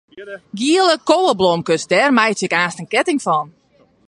Giele koweblomkes, dêr meitsje ik aanst in ketting fan.